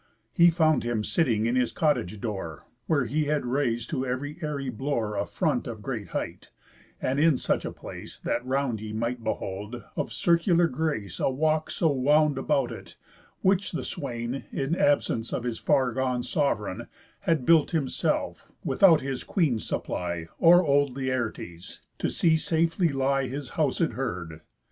He found him sitting in his cottage door, Where he had rais'd to ev'ry airy blore A front of great height, and in such a place That round ye might behold, of circular grace A walk so wound about it; which the swain (In absence of his far gone sovereign) Had built himself, without his queen's supply, Or old Laertes', to see safely lie His houséd herd.